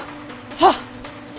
はっ。